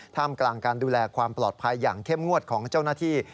ท่ามกลางการดูแลความปลอดภัยอย่างเข้มงวดของเจ้าหน้าที่